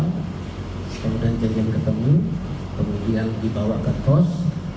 kemudian jadinya ketemu kemudian dibawa ke kos